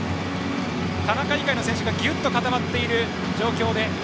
田中以外の選手がぎゅっと固まっている状況。